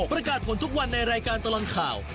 ประกาศผลทุกวันในรายการตลอดข่าว